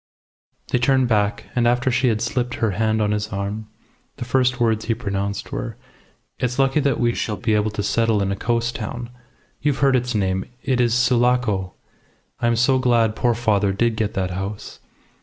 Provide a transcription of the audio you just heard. They turned back, and after she had slipped her hand on his arm, the first words he pronounced were "It's lucky that we shall be able to settle in a coast town. You've heard its name. It is Sulaco. I am so glad poor father did get that house.